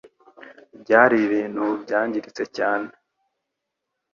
Byari ibintu byangiritse cyane.